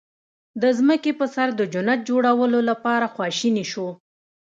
د ځمکې په سر د جنت جوړولو لپاره خواشني شو.